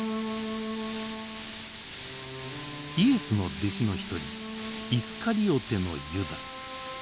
イエスの弟子の一人イスカリオテのユダ。